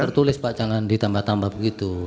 tertulis pak jangan ditambah tambah begitu